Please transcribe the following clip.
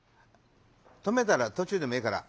止めたら途中でもええから。